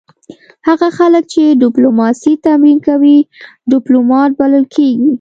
هغه خلک چې ډیپلوماسي تمرین کوي ډیپلومات بلل کیږي